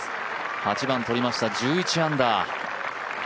８番とりました、１１アンダー。